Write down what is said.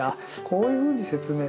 こういうふうに説明